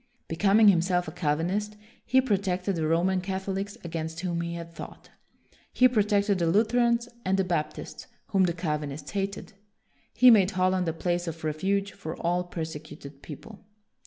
Becoming himself a Cal vinist, he protected the Roman Catholics against whom he had fought. He pro tected the Lutherans and the Baptists, whom the Calvinists hated. He made Holland a place of refuge for all perse cuted people.